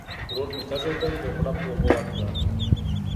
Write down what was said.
ورور مي تږی دی ، یو غوړپ اوبه ورکړه !